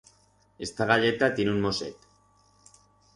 Esta galleta tiene un moset.